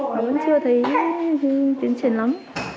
mà vẫn chưa thấy tiến triển lắm